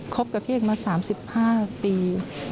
กับพี่เอกมา๓๕ปี